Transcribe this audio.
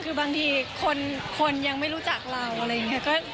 คือบางทีคนยังไม่รู้จักเราอะไรอย่างนี้